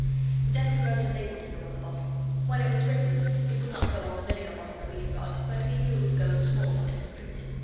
Then we wrote a label to go on the bottle. When it was written it would not go on the vinegar bottle that we had got, but we knew it would go small when it was printed.